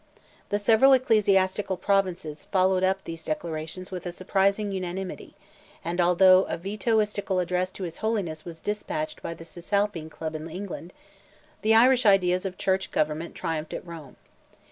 The several ecclesiastical provinces followed up these declarations with a surprising unanimity, and although a Vetoistical address to His Holiness was despatched by the Cisalpine club in England, the Irish ideas of Church government triumphed at Rome.